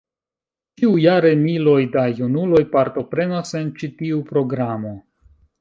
Ĉiujare, miloj da junuloj partoprenas en ĉi tiu programo.